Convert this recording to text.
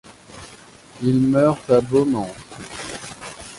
Il meurt à Beaumans.